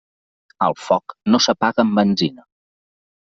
El foc no s'apaga amb benzina.